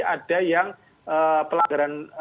ada yang pelanggaran